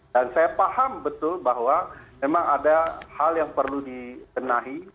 dan saya paham betul bahwa memang ada hal yang perlu dibenahi